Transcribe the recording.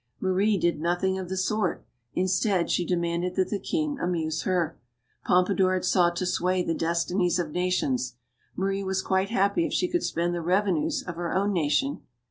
Marie did nothing of the sort. Instead, she demanded that the king amuse her. Pompadour had sought to sway the destinies of nations. Marie was quite happy if she could spend the revenues of her own nation.